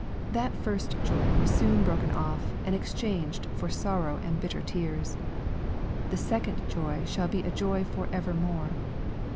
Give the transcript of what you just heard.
— Thatfirst joy was soon broken off and exchanged for sorrow and bitter tears. The second joy shall be a joy for evermore.